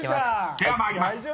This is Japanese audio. ［では参ります。